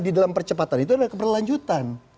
di dalam percepatan itu adalah keberlanjutan